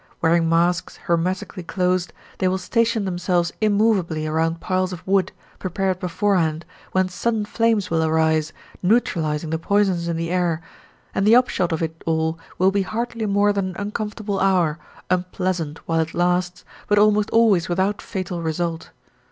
Wearing masks hermetically closed, they will station themselves immovably around piles of wood, prepared beforehand, whence sudden flames will arise, neutralising the poisons in the air, and the upshot of it all will be hardly more than an uncomfortable hour, unpleasant while it lasts, but almost always without fatal result.